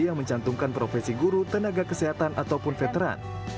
yang mencantumkan profesi guru tenaga kesehatan ataupun veteran